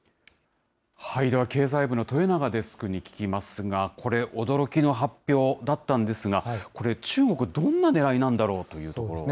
では、経済部の豊永デスクに聞きますが、これ驚きの発表だったんですが、これ、中国、どんなねらいなんだろうというところ。